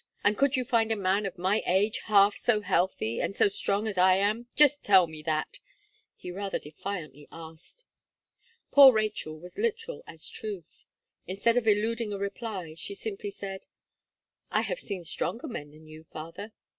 "And could you find a man of my age half so healthy, and so strong as I am just tell me that?" he rather defiantly asked. Poor Rachel was literal as truth. Instead of eluding a reply, she simply said: "I have seen stronger men than you, father."